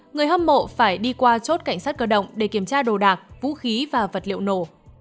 người hâm mộ phải đi qua chốt cảnh sát cơ động để kiểm tra đồ đạc vũ khí và vật liệu nổ